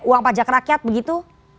uang pajak rakyat begitu